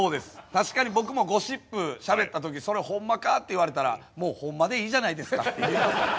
確かに僕もゴシップしゃべった時「それほんまか？」って言われたら「もうほんまでいいじゃないですか」って言います。